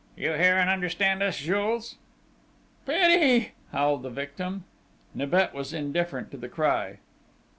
"You hear and understand us, Jules?" "Pity!" howled the victim. Nibet was indifferent to the cry.